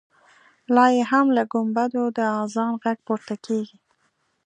لا یې هم له ګمبدو د اذان غږ پورته کېږي.